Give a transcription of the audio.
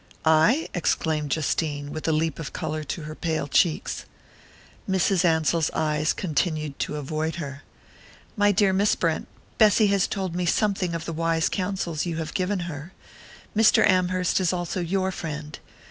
"I?" exclaimed Justine, with a leap of colour to her pale cheeks. Mrs. Ansell's eyes continued to avoid her. "My dear Miss Brent, Bessy has told me something of the wise counsels you have given her. Mr. Amherst is also your friend.